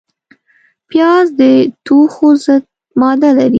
پیاز د توښو ضد ماده لري